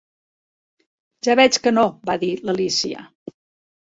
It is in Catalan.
"Ja veig que no", va dir l'Alícia.